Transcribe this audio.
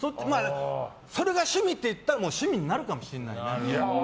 それが趣味って言ったら趣味になるかもしれない。